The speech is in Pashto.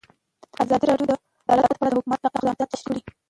ازادي راډیو د عدالت په اړه د حکومت اقدامات تشریح کړي.